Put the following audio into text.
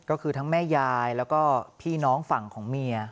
ก็คือทั้งแม่ยายแล้วก็พี่น้องฝั่งของเมีย